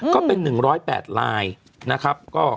ก็เป็น๑๐๘ลายนะครับ